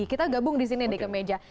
kita gabung di sini deh ke meja